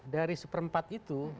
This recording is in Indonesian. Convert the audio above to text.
dari seperempat itu